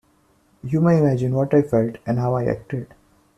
You may imagine what I felt and how I acted.